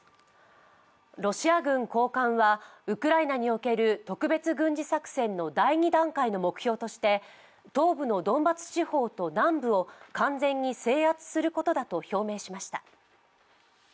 ロシア軍高官はウクライナにおける特別軍事作戦の第２段階の目標として東部のドンバス地方と南部を完全に制圧することだと表明しました。